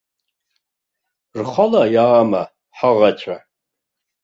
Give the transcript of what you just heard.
Рхала иаама ҳаӷацәа?